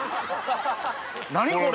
何これ。